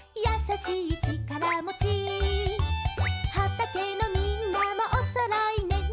「やさしいちからもち」「はたけのみんなもおそろいね」